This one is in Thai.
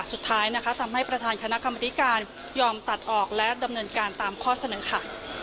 สุดท้ายนะคะทำให้ประธานคณะกรรมธิการยอมตัดออกและดำเนินการตามข้อเสนอค่ะ